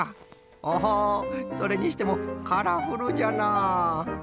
おそれにしてもカラフルじゃな。